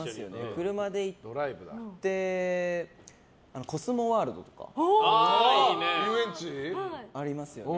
車で行ってコスモワールドとかありますよね。